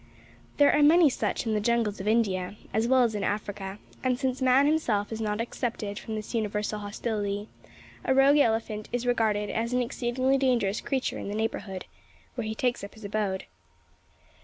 There are many such in the jungles of India, as well as in Africa; and, since man himself is not excepted from this universal hostility, a rogue elephant is regarded as an exceedingly dangerous creature in the neighbourhood where he takes up his abode.